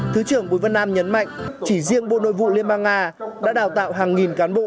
thứ trưởng bùi vân nam nhấn mạnh chỉ riêng bộ nội vụ liên bang nga đã đào tạo hàng nghìn cán bộ